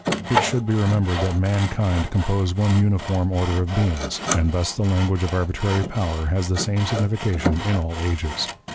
It should be remembered that mankind compose one uniform order of beings, and thus the language of arbitrary power has the same signification in all ages.